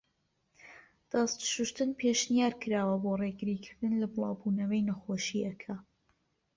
دەست شووشتن پێشنیارکراوە بۆ ڕێگری کردن لە بڵاو بوونەوەی نەخۆشیەکە.